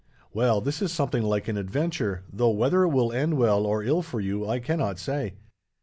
Well, this is something like an adventure, though whether it will end well or ill for you I cannot say.